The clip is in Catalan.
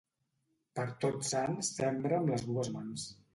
Per Tots Sants sembra amb les dues mans.